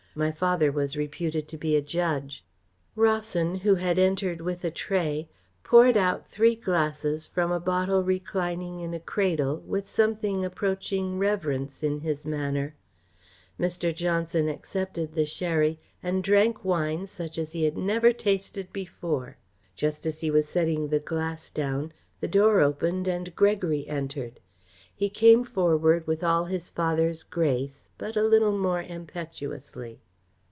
My father was reputed to be a judge." Rawson, who had entered with a tray, poured out three glasses from a bottle reclining in a cradle, with something approaching reverence in his manner. Mr. Johnson accepted the sherry and drank wine such as he had never tasted before. Just as he was setting the glass down, the door opened and Gregory entered. He came forward with all his father's grace but a little more impetuously.